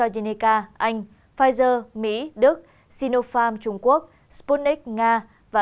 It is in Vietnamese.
astrazeneca anh pfizer mỹ đức sinopharm trung quốc sputnik nga